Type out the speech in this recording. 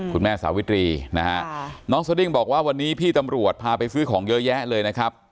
สาวิตรีนะฮะน้องสดิ้งบอกว่าวันนี้พี่ตำรวจพาไปซื้อของเยอะแยะเลยนะครับ